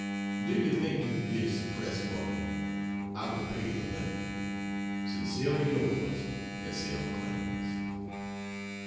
Do you think you could get it suppressed for me? I will pay the limit. Sincerely yours, S. L. CLEMENS.